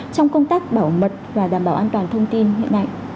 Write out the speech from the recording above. trong công tác bảo mật và đảm bảo an toàn thông tin hiện nay